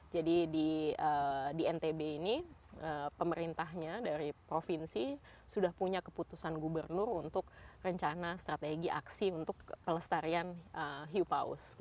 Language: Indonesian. jadi di ntb ini pemerintahnya dari provinsi sudah punya keputusan gubernur untuk rencana strategi aksi untuk kelestarian hiupaus